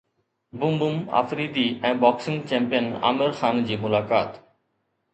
boom boom Afridi ۽ boxing champion Aamir Khan جي ملاقات